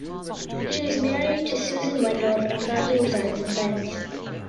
He is married to Susan Wendorf and currently resides in France.